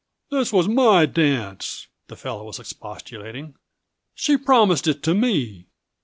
"This was my dance!" the fellow was expostulating. "She promised it to me."